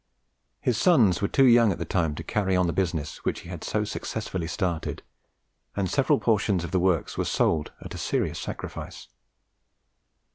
His sons were too young at the time to carry on the business which he had so successfully started, and several portions of the works were sold at a serious sacrifice.